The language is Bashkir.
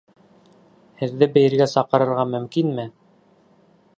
Һеҙҙе бейергә саҡырырға мөмкинме?